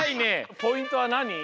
ポイントはなに？